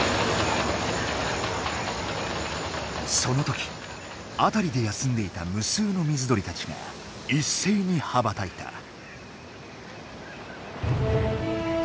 その時辺りで休んでいた無数の水鳥たちが一斉に羽ばたいた。